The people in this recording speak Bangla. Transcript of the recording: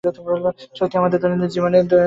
শক্তি আমাদের দৈনন্দিন জীবনের মৌলিক প্রয়োজন।